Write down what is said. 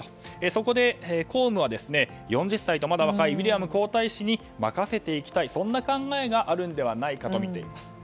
そこで公務は４０歳とまだ若いウィリアム皇太子に任せていきたい、そんな考えがあるのではないかとみています。